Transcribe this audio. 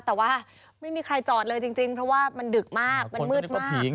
แต่ว่าไม่มีใครจอดเลยจริงเพราะว่ามันดึกมากมันมืดมาก